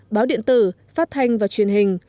báo điện tử phát thanh và truyền hình